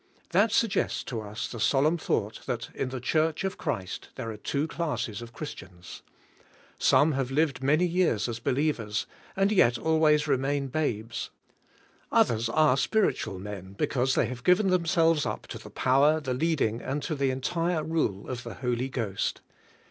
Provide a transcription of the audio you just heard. That suggests to us the solemn thought, that in the Church of Christ there are two classes of Christians. Some have lived man}^ years as believers, and yet always remain babes; others are spiritual men, because they have given themselves up to the power, the leading and to the entire rule of the Holy Ghost.